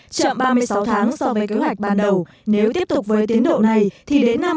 chậm ba mươi sáu tháng so với kế hoạch ban đầu nếu tiếp tục với tiến độ này thì đến năm hai nghìn hai mươi